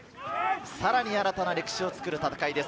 さらに新たな歴史を作る戦いです。